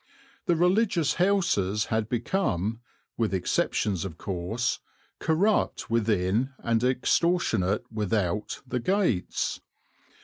The religious houses had become, with exceptions of course, corrupt within and extortionate without the gates.